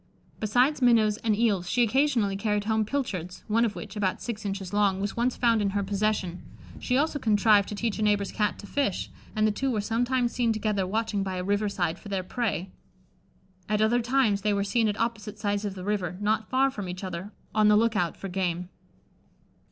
Besides minnows and eels, she occasionally carried home pilchards, one of which, about six inches long, was once found in her possession; she also contrived to teach a neighbour's Cat to fish, and the two were sometimes seen together watching by a river side for their prey. At other times they were seen at opposite sides of the river, not far from each other, on the look out for game.